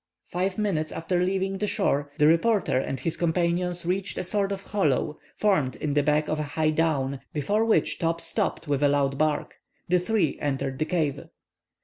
Five minutes after leaving the shore the reporter and his companions reached a sort of hollow, formed in the back of a high down, before which Top stopped with a loud bark. The three entered the cave.